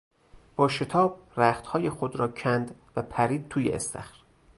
با شتاب رختهای خود را کند و پرید توی استخر.